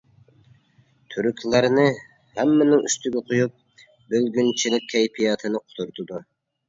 تۈركلەرنى ھەممىنىڭ ئۈستىگە قويۇپ، بۆلگۈنچىلىك كەيپىياتىنى قۇترىتىدۇ.